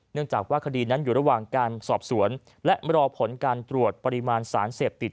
เนื่องจากว่าคดีนั้นอยู่ระหว่างการสอบสวนและรอผลการตรวจปริมาณสารเสพติด